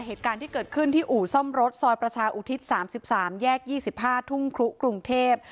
เหตุการณ์ที่เกิดขึ้นที่อู่ซ่อมรถซอยประชาอุทิศ๓๓แยก๒๕ทุ่งครุกรุงเทพ